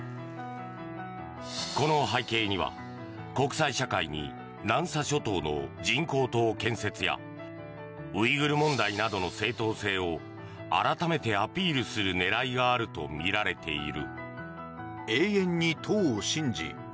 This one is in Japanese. この背景には、国際社会に南沙諸島の人工島建設やウイグル問題などの正当性を改めてアピールする狙いがあるとみられている。